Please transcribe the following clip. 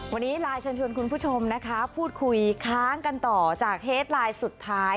วันนี้ไลน์เชิญชวนคุณผู้ชมนะคะพูดคุยค้างกันต่อจากเฮดไลน์สุดท้าย